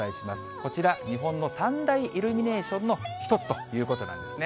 こちら、日本の三大イルミネーションの一つということなんですね。